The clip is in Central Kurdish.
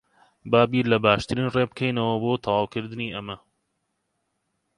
با بیر لە باشترین ڕێ بکەینەوە بۆ تەواوکردنی ئەمە.